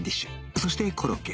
そしてコロッケ